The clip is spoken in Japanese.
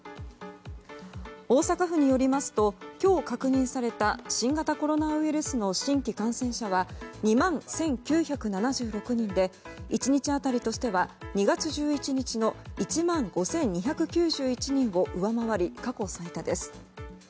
大阪府によりますと今日、確認された新型コロナウイルスの新規感染者は２万１９７６人で１日当たりとしては２月１１日の１万５２９１人を上回り過去最多です。